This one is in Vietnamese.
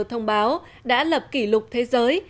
thông báo đã lập kỷ lục thế giới